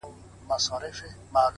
علم د انسان د فکر رڼا ده